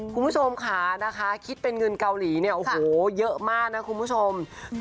คุณผู้ชมค่ะนะคะคิดเป็นเงินเกาหลีเนี่ยโอ้โหเยอะมากนะคุณผู้ชม